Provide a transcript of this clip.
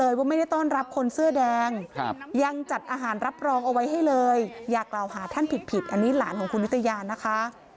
อยากเราหาท่านผิดอันนี้หลานของคุณวิทยานะคะ